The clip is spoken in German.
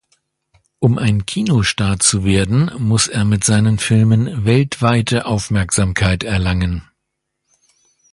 Um ein Kinostar zu werden, muss er mit seinen Filmen weltweite Aufmerksamkeit erlangen.